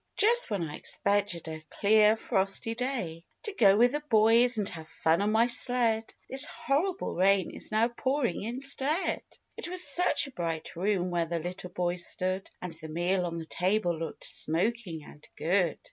Just when I expected a clear, frosty day, To go with the boys, and have fun on my sled, This horrible rain is now pouring instead !" It was such a bright room where the little boy stood, And the meal on the table looked smoking and good.